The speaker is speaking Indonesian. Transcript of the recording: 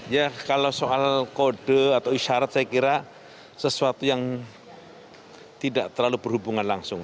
ya kalau soal kode atau isyarat saya kira sesuatu yang tidak terlalu berhubungan langsung